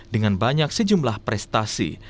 dengan banyak sejumlah prestasi